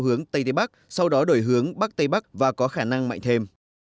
hướng tây đế bắc sau đó đổi hướng bắc tây bắc và có khả năng mạnh thêm